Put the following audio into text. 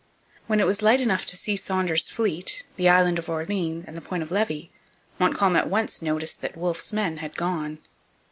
When it was light enough to see Saunders's fleet, the island of Orleans, and the Point of Levy, Montcalm at once noticed that Wolfe's men had gone.